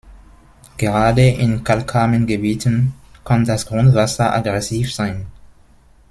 Gerade in kalkarmen Gebieten kann das Grundwasser aggressiv sein.